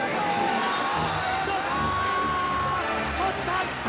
とった！